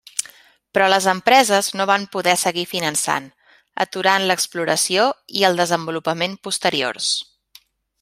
Però les empreses no van poder seguir finançant, aturant l'exploració i el desenvolupament posteriors.